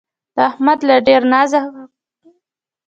د احمد له ډېره نازه کونه ورکه ده.